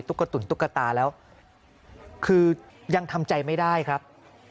กระตุ๋นตุ๊กตาแล้วคือยังทำใจไม่ได้ครับ